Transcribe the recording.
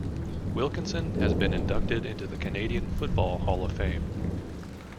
Wilkinson has been inducted into the Canadian Football Hall of Fame.